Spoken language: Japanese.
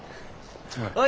おい。